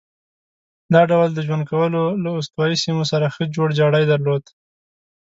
دا ډول د ژوند کولو له استوایي سیمو سره ښه جوړ جاړی درلود.